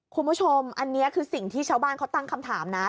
คุณผู้ชมอันนี้คือสิ่งที่ชาวบ้านเขาตั้งคำถามนะ